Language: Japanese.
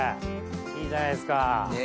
いいじゃないですか。ね！